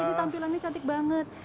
ini tampilannya cantik banget